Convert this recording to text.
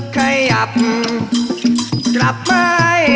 ขยับกลับไป